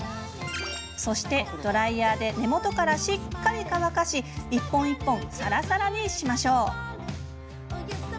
そしてドライヤーで根元からしっかり乾かして一本一本、さらさらにします。